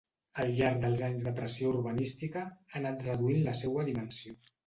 Al llarg dels anys de pressió urbanística ha anat reduint la seua dimensió.